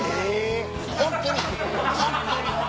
ホントにホントに。